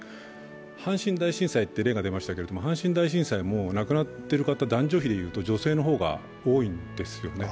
阪神大震災という例が出ましたけど阪神大震災で亡くなってる方、男女比でいうと女性の方が多いんですよね。